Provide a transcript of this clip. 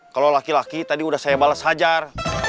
kalau laki laki tadi udah saya balas hajar